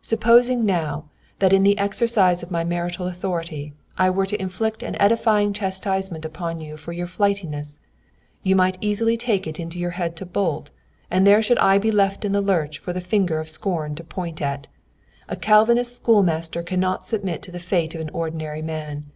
Supposing now, that in the exercise of my marital authority, I were to inflict an edifying chastisement upon you for your flightiness, you might easily take it into your head to bolt, and there should I be left in the lurch for the finger of scorn to point at. A Calvinist schoolmaster cannot submit to the fate of an ordinary man.